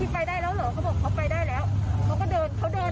สุดท้าย